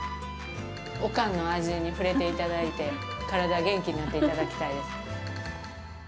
おかんの味に触れていただいて、体元気になっていただきたいです。